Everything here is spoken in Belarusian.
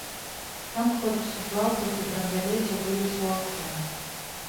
Там хлопец у плаўках і бранзалеце вылез у акно.